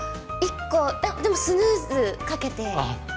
あっ１個でもスヌーズかけて。